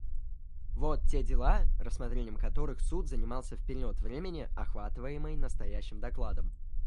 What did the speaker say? Вот те дела, рассмотрением которых Суд занимался в период времени, охватываемый настоящим докладом.